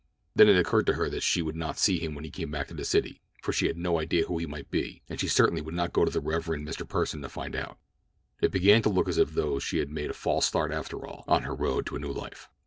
Then it occurred to her that she would not see him when he came back to the city, for she had no idea who he might be, and she certainly would not go to the Rev. Mr. Pursen to find out. It began to look as though she had made a false start after all on her road to a new life.